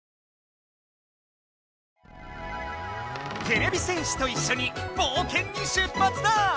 てれび戦士といっしょにぼうけんに出発だ！